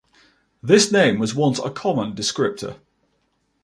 This name was once a common descriptor.